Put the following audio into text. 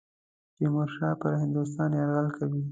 تیمورشاه پر هندوستان یرغل کوي.